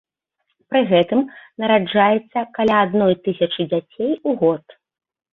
Пры гэтым нараджаецца каля адной тысячы дзяцей у год.